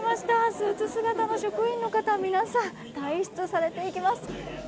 スーツ姿の職員の皆さん、退室されていきます。